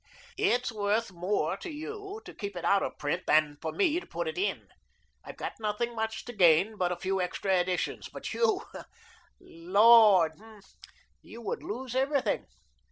It's worth more to you to keep it out of print than for me to put it in. I've got nothing much to gain but a few extra editions, but you Lord, you would lose everything.